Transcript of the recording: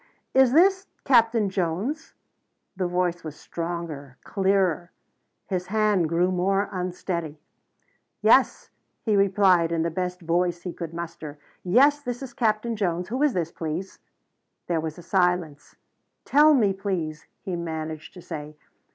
"Is this Captain Jones?" The voice was stronger, clearer. His hand grew more unsteady. "Yes," he replied in the best voice he could muster. "Yes this is Captain Jones. Who is it, please?" There was a silence. "Tell me, please," he managed to say.